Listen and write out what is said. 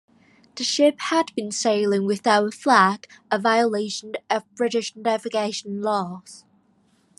The ship had been sailing without a flag, a violation of British navigation laws.